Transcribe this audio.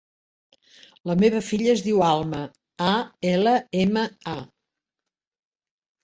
La meva filla es diu Alma: a, ela, ema, a.